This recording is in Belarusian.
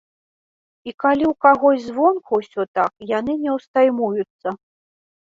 І калі ў кагось звонку ўсё так, яны не утаймуюцца.